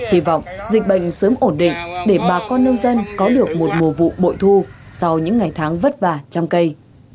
hy vọng dịch bệnh sớm ổn định để bà con nông dân có được một mùa vụ bội thu sau những ngày tháng vất vả trăm cây